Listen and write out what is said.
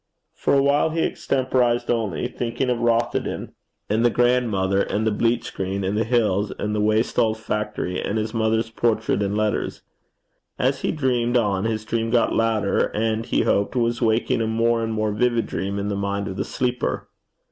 For a while he extemporized only, thinking of Rothieden, and the grandmother, and the bleach green, and the hills, and the waste old factory, and his mother's portrait and letters. As he dreamed on, his dream got louder, and, he hoped, was waking a more and more vivid dream in the mind of the sleeper.